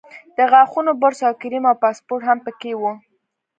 د غاښونو برس او کریم او پاسپورټ هم په کې وو.